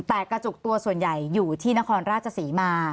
แต่กระจุกตัวส่วนใหญ่อยู่ที่นครราชศรีมา